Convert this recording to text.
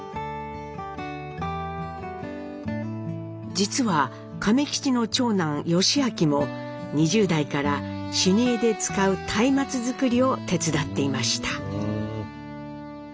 実は亀吉の長男・義昭も２０代から修二会で使うたいまつ作りを手伝っていました。